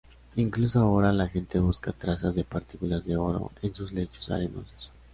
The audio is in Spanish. Incluso ahora, la gente busca trazas de partículas de oro en sus lechos arenosos.